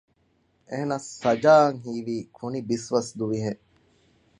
އެހެނަސް ސަޖާއަށް ހީވީ ކުނިބިސްވަސް ދުވިހެން